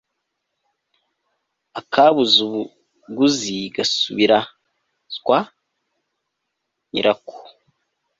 akabuze ubuguzi gasubira (zwa) nyirako